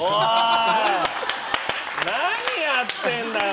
何やってんだよ！